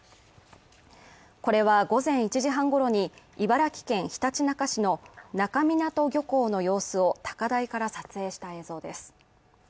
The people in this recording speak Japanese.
これは午前１時半ごろに茨城県ひたちなか市の那珂湊漁港の様子を高台から撮影した映像です。